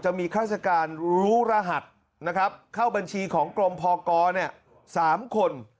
จะมีฆาติการรู้รหัสนะครับเข้าบัญชีของกรมพกเนี่ย๓คน